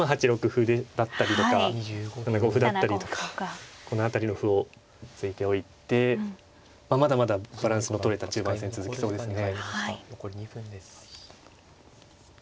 歩だったりとか７五歩だったりとかこの辺りの歩を突いておいてまだまだバランスのとれた中盤戦続きそうですね。